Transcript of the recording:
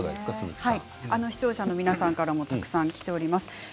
視聴者の皆さんからもたくさんきています。